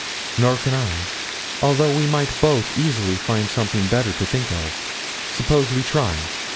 'Nor can I, although we might both easily find something better to think of. Suppose we try?'